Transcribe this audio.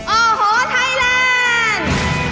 โอ้โหไทยแลนด์